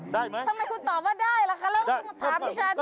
ได้ไหมทำไมคุณตอบว่าได้ล่ะคะแล้วคุณมาถามดิฉัน